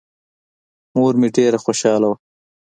مور مې ډېره خوشاله وه.